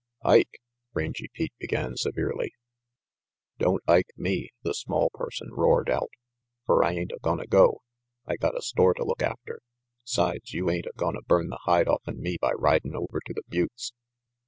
"Ike," Rangy Pete began severely. "Don't Ike me," the small person roared out, "fer I ain't a gonna go. I got a store to look after. 'Sides you ain't a gonna burn the hide offen me by ridin' over to the buttes."